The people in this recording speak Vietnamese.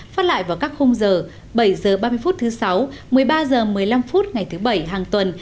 phát lại vào các khung giờ bảy h ba mươi phút thứ sáu một mươi ba h một mươi năm phút ngày thứ bảy hàng tuần